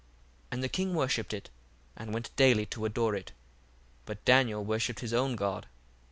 1:4 And the king worshipped it and went daily to adore it: but Daniel worshipped his own God.